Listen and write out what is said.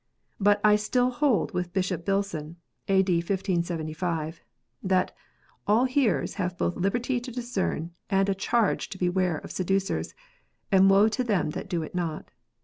But still I hold with Bishop Bilson (A.D. 1575), that " all hearers have both liberty to discern and a charge to beware of seducers ; and woe to them that do it not."